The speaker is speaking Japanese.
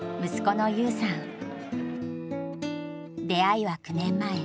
出会いは９年前。